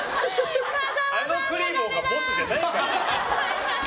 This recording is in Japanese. あのクリボーがボスじゃないから。